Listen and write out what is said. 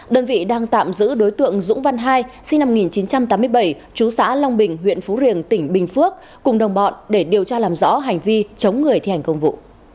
đơn vị đang tạm giữ đối tượng dũng văn hai sinh năm một nghìn chín trăm tám mươi bảy chú xã long bình huyện phú riềng tỉnh bình phước cùng đồng bọn để điều tra làm rõ hành vi chống người thi hành công vụ